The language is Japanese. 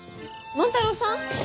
万太郎さん！？